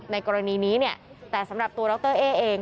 ในกรณีนี้แต่สำหรับตัวดรเอเอง